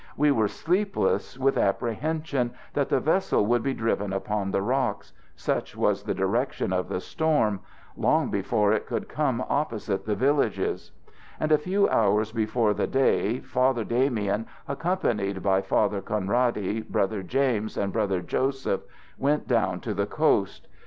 We were sleepless with apprehension that the vessel would be driven upon the rocks such was the direction of the storm long before it could come opposite the villages: and a few hours before day Father Damien, accompanied by Father Conradi, Brother James, and Brother Joseph, went down to the coast.